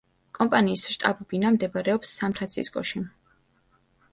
კომპანიის შტაბ-ბინა მდებარეობს სან-ფრანცისკოში.